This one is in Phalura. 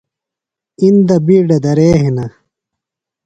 اِندہ بِیڈہ درے ہِنہ۔